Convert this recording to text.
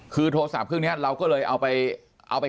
คือโทรศัพท์เครื่องนี้เราก็เลยเอาไปเอาไป